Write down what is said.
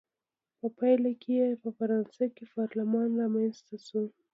په پایله کې یې په فرانسه کې پارلمان رامنځته شو.